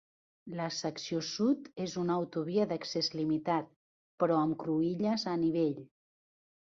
La secció sud és una autovia d'accés limitat, però am cruïlles a nivell.